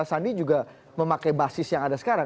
sandi juga memakai basis yang ada sekarang